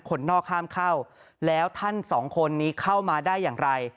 คนนอกห้ามเข้าแล้วท่านสองคนนี้เข้ามาได้อย่างไร